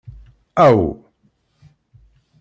Aw!